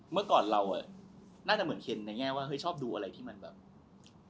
เมื่อก่อนเราน่าจะเหมือนเคนในแง่ว่าเฮ้ยชอบดูอะไรที่มันแบบ